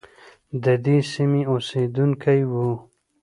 ددې سیمې اوسیدونکی وو.